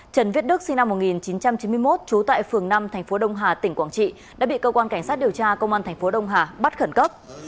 trần việt đức sinh năm một nghìn chín trăm chín mươi một trú tại phường năm tp đông hà tỉnh quảng trị đã bị cơ quan cảnh sát điều tra công an tp đông hà bắt khẩn cấp